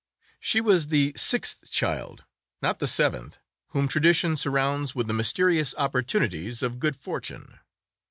She was the sixth child, not the seventh, whom tradition surrounds with the mysterious opportunities of good fortune.